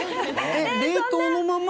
冷凍のまま？